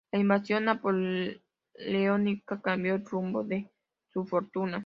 La invasión napoleónica cambió el rumbo de su fortuna.